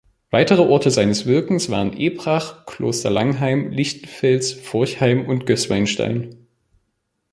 Weitere Orte seines Wirkens waren Ebrach, Kloster Langheim, Lichtenfels, Forchheim und Gößweinstein.